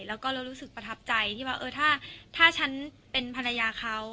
แล้วก็เรารู้สึกประทับใจถ้าฉันเป็นภรรยาเขา